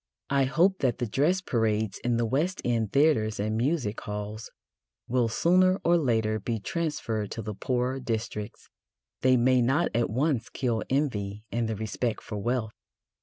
I hope that the dress parades in the West End theatres and music halls will sooner or later be transferred to the poorer districts. They may not at once kill envy and the respect for wealth.